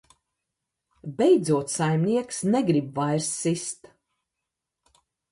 Beidzot saimnieks negrib vairs sist.